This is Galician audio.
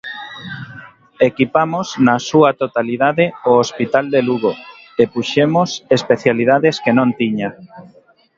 Equipamos na súa totalidade o hospital de Lugo e puxemos especialidades que non tiña.